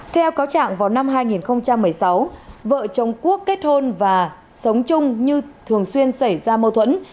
theo cáo trạng vào năm hai nghìn một mươi sáu vợ chồng quốc kết hôn và sống chung như thường xuyên xảy ra mâu thuẫn